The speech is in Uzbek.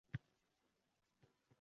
Har holda uning tashki ko`rinishi meni